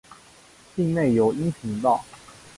境内有阴平道。